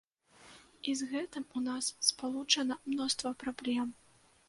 І з гэтым у нас спалучана мноства праблем.